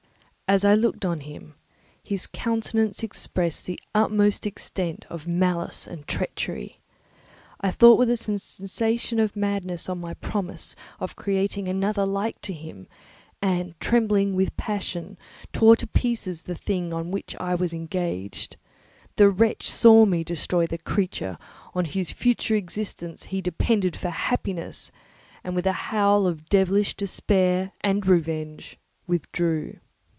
As I looked on him, his countenance expressed the utmost extent of malice and treachery. I thought with a sensation of madness on my promise of creating another like to him, and trembling with passion, tore to pieces the thing on which I was engaged. The wretch saw me destroy the creature on whose future existence he depended for happiness, and with a howl of devilish despair and revenge, withdrew.